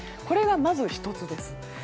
これが、まず１つです。